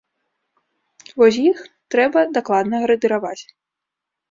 Вось іх трэба дакладна градыраваць.